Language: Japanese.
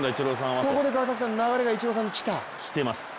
ここで流れがイチローさんに来た。